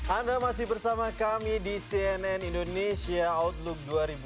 anda masih bersama kami di cnn indonesia outlook dua ribu dua puluh